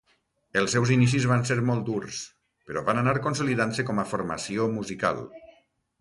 Els seus inicis van ser molt durs, però van anar consolidant-se com a formació musical.